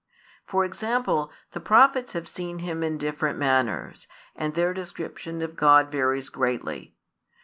For example, the Prophets have seen Him in different manners, and their description of God varies greatly.